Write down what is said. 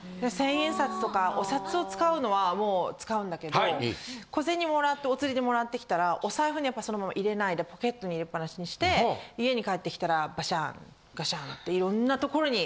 １０００円札とかお札を使うのはもう使うんだけど小銭もらってお釣りでもらってきたらお財布にやっぱそのまま入れないでポケットに入れっぱなしにして家に帰ってきたらバシャンガシャンっていろんなところに。